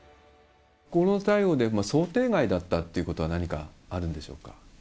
コロナ対応で想定外だったってことは何かあるんでしょうか？